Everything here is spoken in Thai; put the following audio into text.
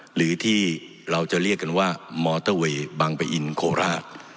หรือที่เราจะเรียกกันว่ามอเตอร์เวย์บางปะอินโคราช